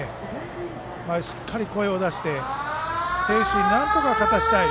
しっかり声を出して選手になんとか勝たせたい。